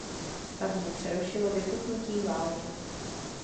Stavbu přerušilo vypuknutí války.